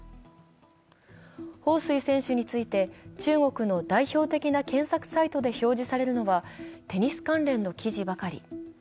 彭帥選手について中国の代表的な検索サイトで表示されるのはテニス関連の記事ばかり。